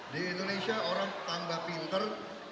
di indonesia orang tambah pinter